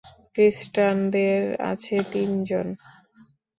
খ্রিস্টানদের আছে তিনজন।